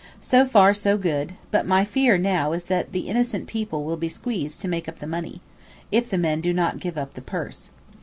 So far so good, but my fear now is that innocent people will be squeezed to make up the money, if the men do not give up the purse.